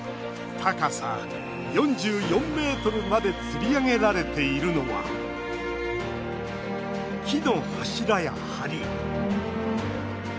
高さ４４ｍまでつり上げられているのは木の柱や、はり。